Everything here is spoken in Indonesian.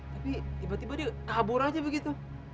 tapi tiba tiba dia kabur aja begitu